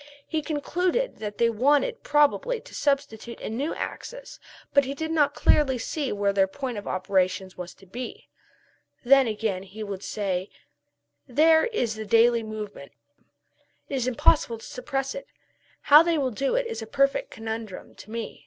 He concluded that they wanted probably to substitute a new axis, but he did not clearly see where their point of operations was to be. Then, again, he would say, "There is the daily movement. It is impossible to surpress it; how they will do it, is a perfect conundrum to me."